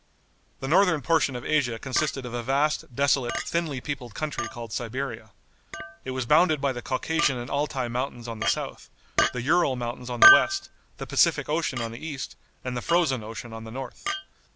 The northern portion of Asia consisted of a vast, desolate, thinly peopled country called Siberia. It was bounded by the Caucasian and Altai mountains on the south, the Ural mountains on the west, the Pacific Ocean on the east, and the Frozen Ocean on the north.